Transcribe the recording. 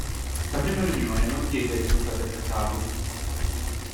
La prima riunione non diede risultati apprezzabili.